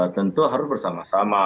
tentu harus bersama sama